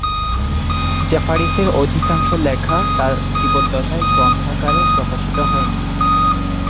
জেফারিসের অধিকাংশ লেখা তাঁর জীবদ্দশায় গ্রন্থাকারে প্রকাশিত হয়নি।